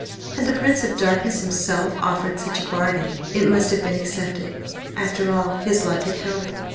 Had the Prince of Darkness himself offered such a bargain it must have been accepted. After all his luck had held!